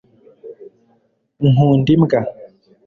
nkunda imbwa